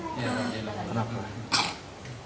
sudah berapa lama